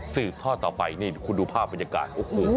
สืบท่อต่อไปนี่คุณดูภาพบรรยาการ